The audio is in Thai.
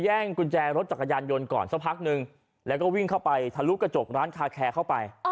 กุญแจรถจักรยานยนต์ก่อนสักพักนึงแล้วก็วิ่งเข้าไปทะลุกระจกร้านคาแคร์เข้าไป